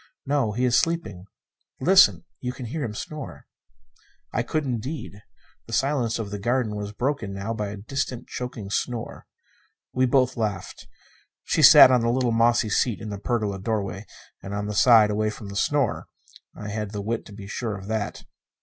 "No. He is sleeping. Listen you can hear him snore." I could, indeed. The silence of the garden was broken now by a distant, choking snore. We both laughed. She sat on the little mossy seat in the pergola doorway And on the side away from the snore. (I had the wit to be sure of that.)